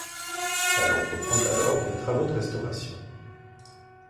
Elle entreprend alors des travaux de restauration.